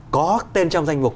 có tên trong danh mục